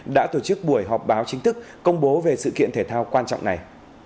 hai nghìn hai mươi hai đã tổ chức buổi họp báo chính thức công bố về sự kiện thể thao quan trọng này